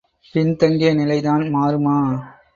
பின் தங்கிய நிலைதான் மாறுமா?